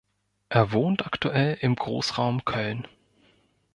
Er wohnt aktuell im Großraum Köln.